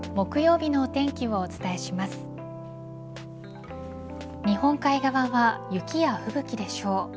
日本海側は雪や吹雪でしょう。